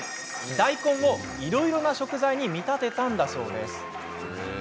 大根をいろいろな食材に見立てたのだそうです。